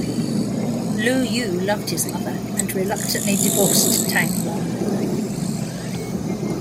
Lu You loved his mother and reluctantly divorced Tang Wan.